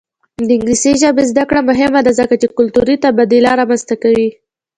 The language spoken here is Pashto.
د انګلیسي ژبې زده کړه مهمه ده ځکه چې کلتوري تبادله رامنځته کوي.